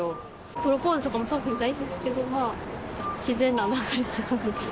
プロポーズとかも特にないですけど、自然な流れとかで。